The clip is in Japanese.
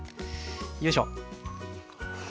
よいしょ。